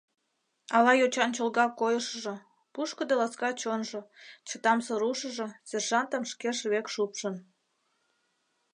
Ала йочан чолга койышыжо, пушкыдо ласка чонжо, чытамсыр ушыжо сержантым шкеж век шупшын.